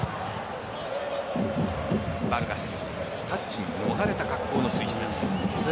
タッチに逃れた格好のスイスです。